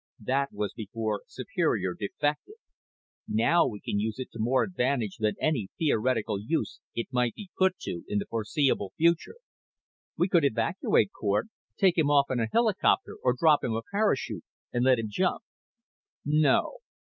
"That was before Superior defected. Now we can use it to more advantage than any theoretical use it might be put to in the foreseeable future." "We could evacuate Cort. Take him off in a helicopter or drop him a parachute and let him jump." "No.